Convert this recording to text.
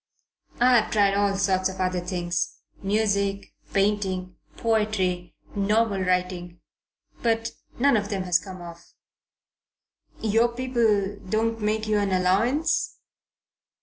"I've tried all sorts of other things music, painting, poetry, novel writing but none of them has come off." "Your people don't make you an allowance?"